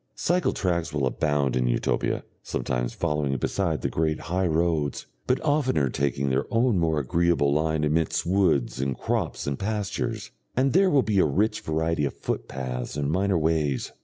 Cycle tracks will abound in Utopia, sometimes following beside the great high roads, but oftener taking their own more agreeable line amidst woods and crops and pastures; and there will be a rich variety of footpaths and minor ways.